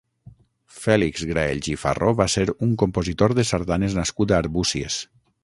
Fèlix Graells i Farró va ser un compositor de sardanes nascut a Arbúcies.